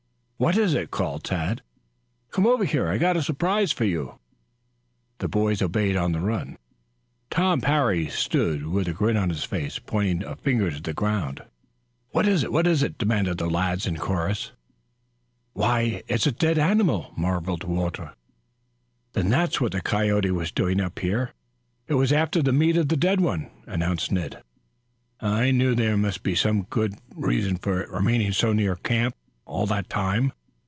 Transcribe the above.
"What is it?" called Tad. "Come over here. I've got a surprise for you." The boys obeyed on the run. Tom Parry stood with a grin on his face, pointing a finger to the ground. "What is it? What is it?" demanded the lads in chorus. "Why, it's a dead animal," marveled Walter. "Then that's what the coyote was doing up here. It was after the meat on the dead one," announced Ned. "I knew there must be some good reason for its remaining so near camp all that time."